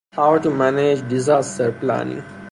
How to manage disaster planning?